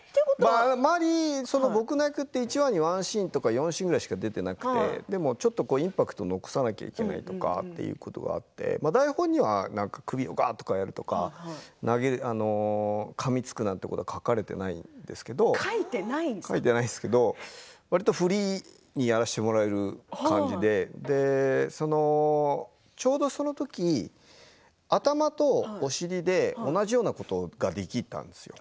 僕の役って１話１シーンとか４シーンぐらいしか出ていなくてインパクト残さないといけないということがあって台本には首をがっとやるとかかみつくなんてことを書かれていないんですけどわりとフリーにやらせてもらえる感じでちょうどその時頭とお尻で同じようなことができたんですよ。